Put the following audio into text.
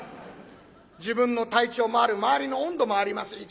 自分の体調もある周りの温度もあります。